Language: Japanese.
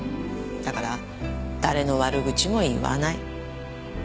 だから誰の悪口も言わない。